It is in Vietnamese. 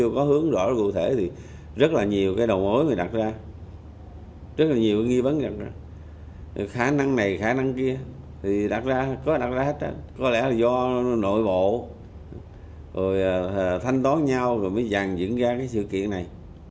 có lẽ là do nội bộ thanh đoán nhau rồi mới dành dựng ra sự kiện này